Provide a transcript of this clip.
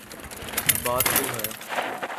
بات تو ہے۔